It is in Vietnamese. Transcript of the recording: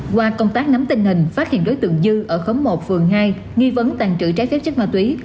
qua công tác nắm tình hình phát hiện đối tượng dư ở khóng một phường hai nghi vấn tàn trữ trái phép chất ma túy